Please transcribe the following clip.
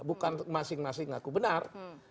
bukan masing masing yang mengaku benar